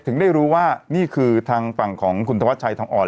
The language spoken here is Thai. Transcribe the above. ถึงได้รู้ว่านี่คือทางฝั่งของคุณธวัชชัยทองอ่อน